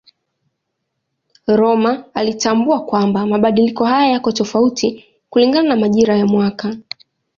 Rømer alitambua kwamba mabadiliko haya yako tofauti kulingana na majira ya mwaka.